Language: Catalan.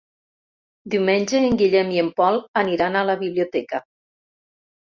Diumenge en Guillem i en Pol aniran a la biblioteca.